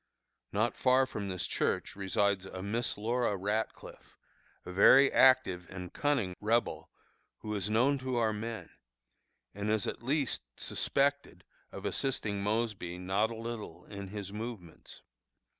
Not far from this church resides a Miss Laura Ratcliffe, a very active and cunning Rebel, who is known to our men, and is at least suspected of assisting Mosby not a little in his movements.